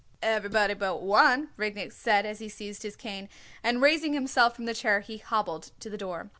"Everybody but one," Rudnik said as he seized his cane, and raising himself from the chair he hobbled to the door.